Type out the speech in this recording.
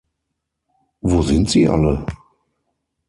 Wo sind sie alle?